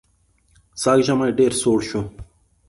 سږ ژمی ډېر سوړ شو.